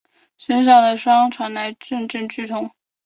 身上的伤传来阵阵剧痛